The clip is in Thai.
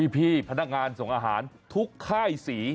พี่พนักงานส่งอาหารทุกค่ายสี